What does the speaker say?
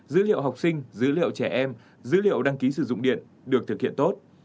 dữ liệu học sinh dữ liệu trẻ em dữ liệu đăng ký sử dụng điện được thực hiện tốt